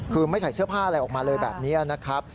คือไม่ใส่เสื้อผ้าอะไรออกมาเลยแบบนี้นะครับ